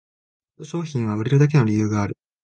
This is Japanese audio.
ヒット商品は売れるだけの理由がある